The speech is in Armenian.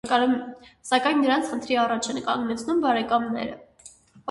Սակայն նրանց խնդրի առաջ են կանգնեցնում բարեկամները։